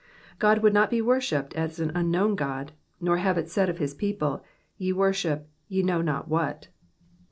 God would not be worshipped as an unknown God, nor have it said of his people, Ye worship ye know not what."